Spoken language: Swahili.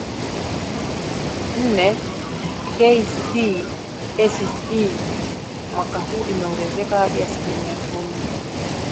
nne KCSE mwaka huu imeongezeka hadi asilimia kumi